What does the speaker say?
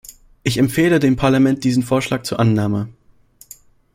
Ich empfehle dem Parlament diesen Vorschlag zur Annahme.